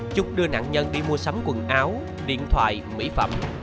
chúng đưa nạn nhân đi mua sắm quần áo điện thoại mỹ phẩm